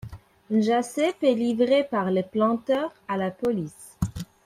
Njassep est livré par les planteurs à la police.